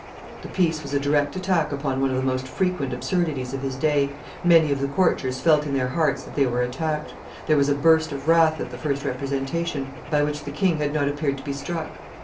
The piece was a direct attack upon one of the most frequent absurdities of his day; many of the courtiers felt in their hearts that they were attacked; there was a burst of wrath at the first representation, by which the king had not appeared to be struck.